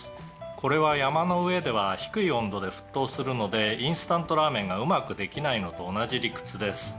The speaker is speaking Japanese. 「これは山の上では低い温度で沸騰するのでインスタントラーメンがうまくできないのと同じ理屈です」